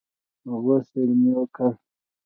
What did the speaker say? غسل مې وکړ.